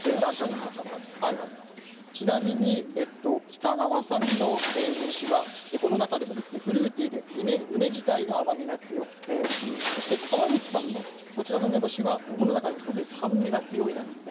北川さんの梅干しはこの中でもフルーティーで梅自体の甘みが強くて川口さんの梅干しはこの中で特に酸味が強いんです。